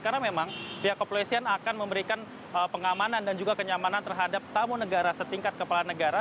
karena memang pihak kepolisian akan memberikan pengamanan dan juga kenyamanan terhadap tamu negara setingkat kepala negara